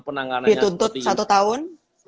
penanganannya seperti ini dituntut satu tahun